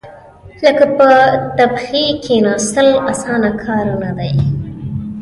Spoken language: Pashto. لکه په تبخي کېناستل، اسانه کار نه دی.